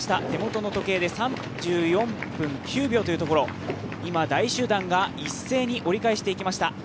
手元の時計で３４分９秒というところ、今、大集団が一斉に折り返していきました